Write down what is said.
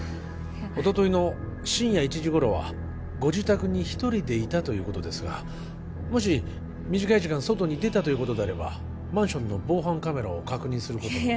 おとといの深夜１時頃はご自宅に１人でいたということですがもし短い時間外に出たということであればマンションの防犯カメラを確認することもできます